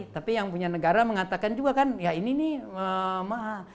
tapi yang punya negara mengatakan juga kan ya ini nih mahal